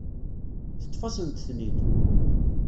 Teṭṭef-asent-ten-id.